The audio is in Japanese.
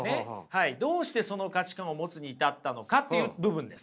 どうしてその価値観を持つに至ったのかっていう部分です。